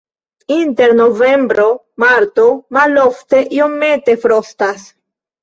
Inter novembro-marto malofte iomete frostas.